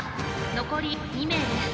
残り２名です。